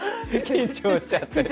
緊張しちゃって。